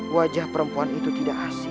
wajah perempuan itu tidak asing